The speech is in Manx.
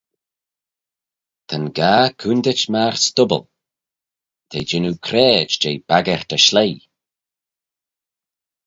Ta'n gah coontit myr stubble: t'eh jannoo craid jeh baggyrt y shleiy.